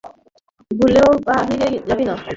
ভুলেও বাহিরে যাবি না!